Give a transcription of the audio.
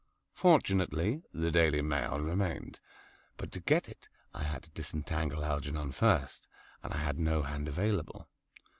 Fortunately "The Daily Mail" remained. But to get it I had to disentangle Algernon first, and I had no hand available.